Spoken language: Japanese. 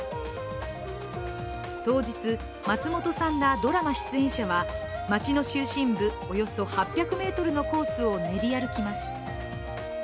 当日、松本さんらドラマ出演者は街の中心部およそ８００ｍのコースを練り歩きます。